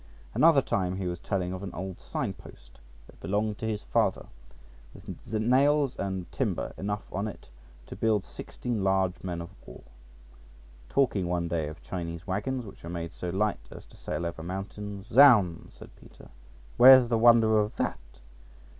Another time he was telling of an old sign post {98b} that belonged to his father, with nails and timber enough on it to build sixteen large men of war. Talking one day of Chinese waggons, which were made so light as to sail over mountains, "Z—nds," said Peter, "where's the wonder of that?